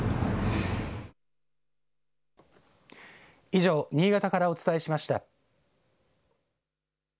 以上、新潟からお伝えしました。